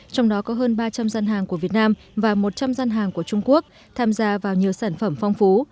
trong đó có hơn ba trăm linh gian hàng của việt nam và một trăm linh gian hàng của trung quốc tham gia vào nhiều sản phẩm phong phú